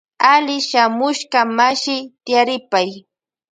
Alli shamushka mashi tiaripay.